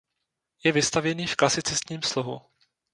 Je vystavěný v klasicistním slohu.